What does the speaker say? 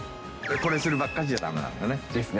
これするばっかりじゃだめなんだね。ですね。